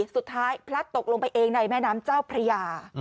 สุดท้ายลำปลักตกลงไปเองในแม้น้ำพระยา